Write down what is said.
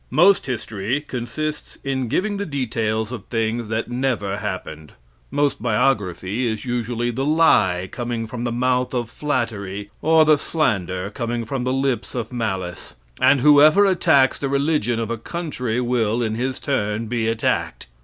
Most history consists in giving the details of things that never happened most biography is usually the lie coming from the mouth of flattery, or the slander coming from the lips of malice, and whoever attacks the religion of a country will, in his turn, be attacked.